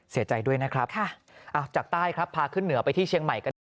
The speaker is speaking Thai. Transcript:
เสียใจด้วยนะครับจากใต้ครับพาขึ้นเหนือไปที่เชียงใหม่กันหน่อย